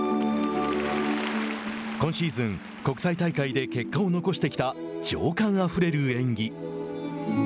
今シーズン、国際大会で結果を残してきた情感あふれる演技。